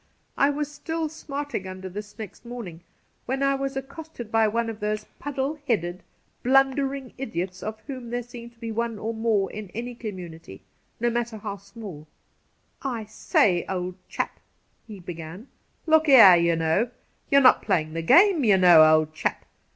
I was still smarting under this next morning when I was accosted by one of those puddle headed, blundering idiots of whom there seem to be one or more in any community, no matter how smaU. 'I say, old chap,' he began, 'look here, ye know ! You're not playin' the game, ye know, old chap